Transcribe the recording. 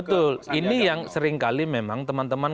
betul ini yang seringkali memang teman teman